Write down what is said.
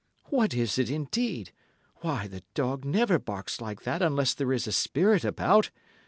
"What is it, indeed! Why the dog never barks like that unless there is a spirit about.